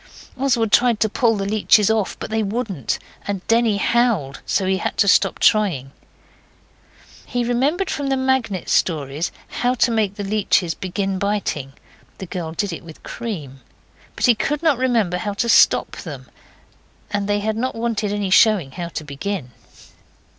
Oswald tried to pull the leeches off, but they wouldn't, and Denny howled so he had to stop trying. He remembered from the Magnet Stories how to make the leeches begin biting the girl did it with cream but he could not remember how to stop them, and they had not wanted any showing how to begin.